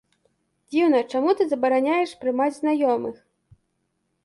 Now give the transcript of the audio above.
Дзіўна, чаму ты забараняеш прымаць знаёмых?